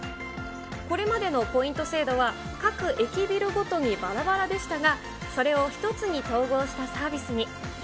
これまでのポイント制度は、各駅ビルごとにばらばらでしたが、それを１つに統合したサービスに。